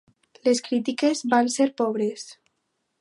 Les crítiques van ser pobres.